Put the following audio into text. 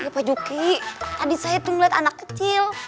pak juki tadi saya tuh ngelihat anak kecil